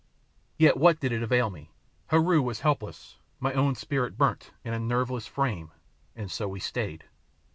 Yet what did it avail me? Heru was helpless, my own spirit burnt in a nerveless frame, and so we stayed.